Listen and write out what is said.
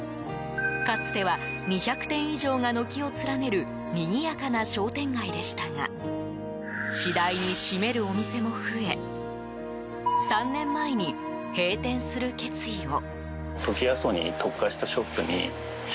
かつては２００店以上が軒を連ねるにぎやかな商店街でしたが次第に閉めるお店も増え３年前に閉店する決意を。